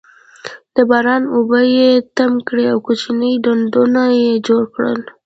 د باران اوبه یې تم کړې او کوچني ډنډونه یې جوړ کړل.